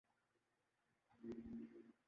جیسے ہمارے دو ممالک کے درمیان ہیں۔